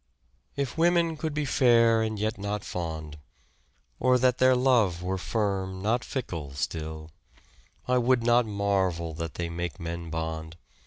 " If women could be fair and yet not fond, AB impor Or that their love were firm not fickle, still, ^tit poem. I would not marvel that they make men bond.